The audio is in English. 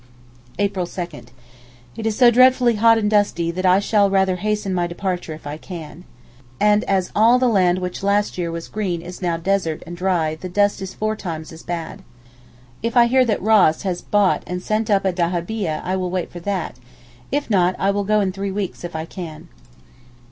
April 2.—It is so dreadfully hot and dusty that I shall rather hasten my departure if I can. The winds seem to have begun, and as all the land which last year was green is now desert and dry the dust is four times as bad. If I hear that Ross has bought and sent up a dahabieh I will wait for that, if not I will go in three weeks if I can.